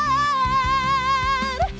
merah putih teruslah kau berkibar